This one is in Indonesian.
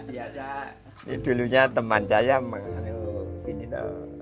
ini dulunya teman saya mengharuskan ini